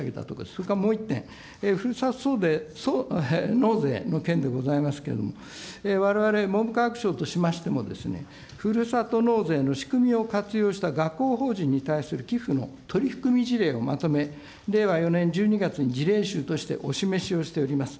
それからもう１点、ふるさと納税の件でございますけれども、われわれ、文部科学省としましてもですね、ふるさと納税の仕組みを活用した学校法人に対する寄付の取り含み事例をまとめ、令和４年１２月に事例集としてお示しをしております。